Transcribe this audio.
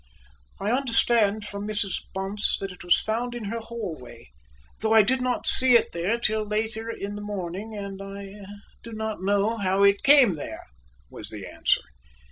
"I understand from Mrs. Bunce that it was found in her hallway, though I did not see it there till later in the morning, and I do not know how it came there," was the answer.